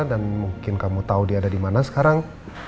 dan mungkin kamu tau dia ada dimana sekarang